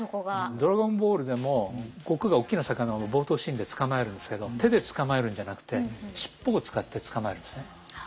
「ドラゴンボール」でも悟空がおっきな魚を冒頭シーンで捕まえるんですけど手で捕まえるんじゃなくて尻尾を使って捕まえるんですね。